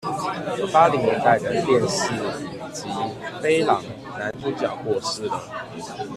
八零年代的電視影集《飛狼》男主角過世了